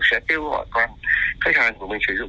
sẽ kêu gọi khách hàng của mình sử dụng